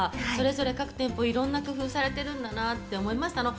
それぞれ各店舗、いろんな工夫をされているんだなと思いました。